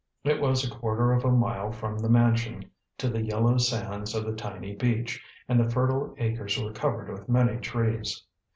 It was a quarter of a mile from the mansion to the yellow sands of the tiny beach, and the fertile acres were covered with many trees.